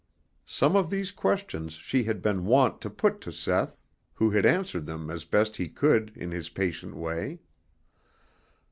Some of these questions she had been wont to put to Seth, who had answered them as best he could in his patient way.